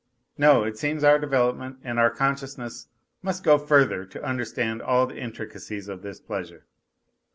No, it seems our development and our consciousness must go further to understand all the intricacies of this pleasure.